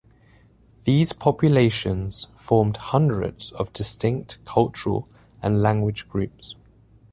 These populations formed hundreds of distinct cultural and language groups.